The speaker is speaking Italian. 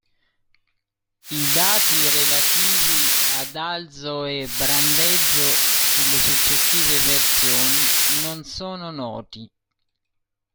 I dati relativi ad alzo e brandeggio sulle successive versioni non sono noti.